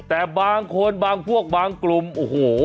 แต่บางคนบางพวกบางกลุ่มโอ้โห